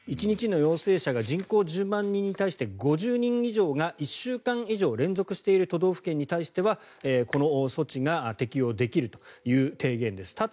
１日の陽性者が人口１０万人に対して５０人以上が１週間以上連続している都道府県に対してはこの措置が適用できるという提言です。